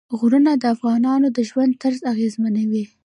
غرونه د افغانانو د ژوند طرز اغېزمنوي.